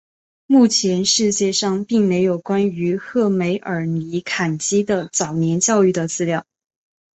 目前世界上并没有关于赫梅尔尼茨基的早年教育的资料。